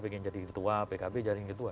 pengen jadi ketua pkb jaring ketua